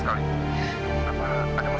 sampai ke tempat muamang